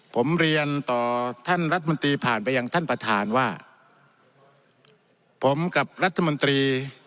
ผมเรียนต่อท่านรัฐมนตรีผ่านไปยังท่านประธานว่าผมกับรัฐมนตรี